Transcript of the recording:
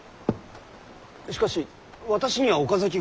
しかし私には岡崎が。